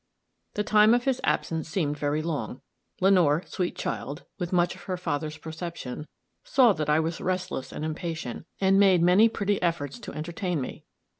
The time of his absence seemed very long. Lenore, sweet child, with much of her father's perception, saw that I was restless and impatient, and made many pretty efforts to entertain me.